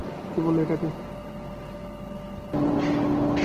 কী বললে এটাকে?